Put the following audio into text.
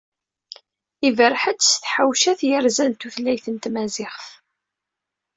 Iberreḥ-d s tḥawcat yerzan tutlayt n tmaziɣt.